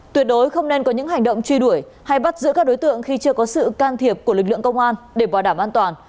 tuyệt đối không nên có những hành động truy đuổi hay bắt giữ các đối tượng khi chưa có sự can thiệp của lực lượng công an để bảo đảm an toàn